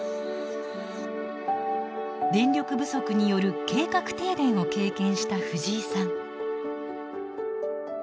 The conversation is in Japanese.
電力不足による計画停電を経験したフジイさん。